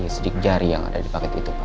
sidik jari yang ada di paket itu pak